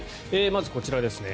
まずこちらですね。